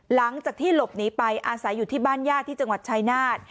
หลังจากที่หลบหนีไปอาศัยอยู่ที่บ้านญาติที่จังหวัดชายนาฏ